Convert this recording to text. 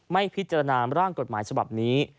ไม่พิจารณาร่างกฎหมายฉบับนี้